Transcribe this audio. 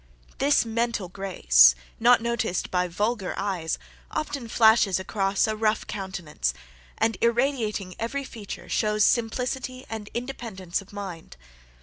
This mental grace, not noticed by vulgar eyes, often flashes across a rough countenance, and irradiating every feature, shows simplicity and independence of mind.